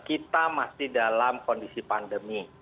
kita masih dalam kondisi pandemi